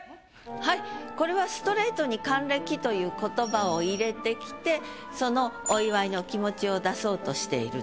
はいこれはストレートに「還暦」という言葉を入れてきてそのお祝いの気持ちを出そうとしていると。